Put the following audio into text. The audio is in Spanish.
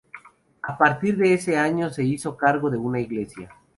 A partir de ese año se hizo cargo de una iglesia.